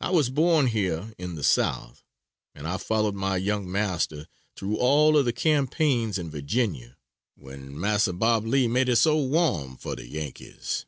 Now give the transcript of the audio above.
I was born here in the South, and I followed my young master through all of the campaigns in Virginia, when Mas' Bob Lee made it so warm for the Yankees.